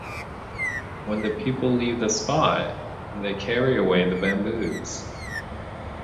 When the people leave the spot, they carry away the the bamboos.